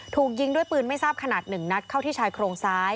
ถูกยิงด้วยปืนไม่ทราบขนาด๑นัดเข้าที่ชายโครงซ้าย